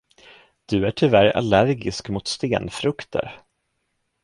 Du är tyvärr allergisk mot stenfrukter.